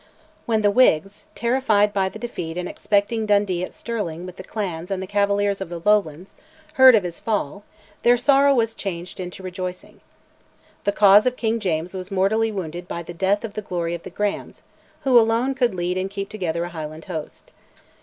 When the Whigs terrified by the defeat and expecting Dundee at Stirling with the clans and the cavaliers of the Lowlands heard of his fall, their sorrow was changed into rejoicing. The cause of King James was mortally wounded by the death of "the glory of the Grahams," who alone could lead and keep together a Highland host.